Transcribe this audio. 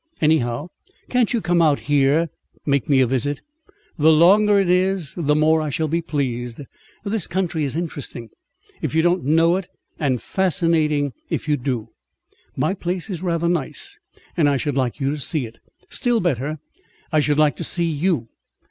Anyhow, can't you come out here and make me a visit the longer it is, the more I shall be pleased. This country is interesting if you don't know it, and fascinating if you do. My place is rather nice, and I should like you to see it. Still better, I should like to see you.